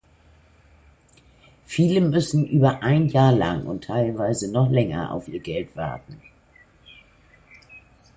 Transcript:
Viele müssen über ein Jahr lang und teilweise noch länger auf ihr Geld warten..